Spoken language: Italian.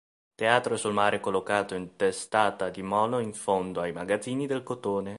Teatro sul mare collocato in testata di molo in fondo ai Magazzini del Cotone.